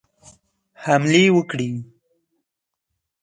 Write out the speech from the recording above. حملې وکړي.